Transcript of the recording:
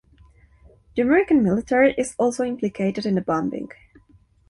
The American military is also implicated in the bombing.